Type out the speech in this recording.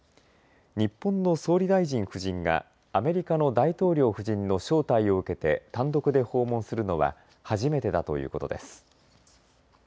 日本の総理大臣夫人がアメリカの大統領夫人の招待を受けて単独で訪問するのは初めてだということです。